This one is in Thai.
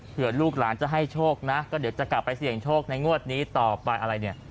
ลูกหลานจะให้โชคนะก็เดี๋ยวจะกลับไปเสี่ยงโชคในงวดนี้ต่อไปอะไรเนี่ย